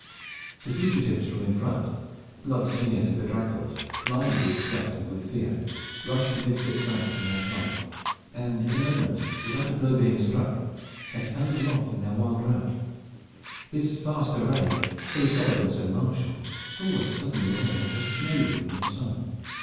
The fugitives from in front, blood smeared and bedraggled, blinded with sweat and with fear, rushed amidst its ranks in their flight, and in a moment, without a blow being struck, had carried them off in their wild rout. This vast array, so solid and so martial, thawed suddenly away like a snow wreath in the sun.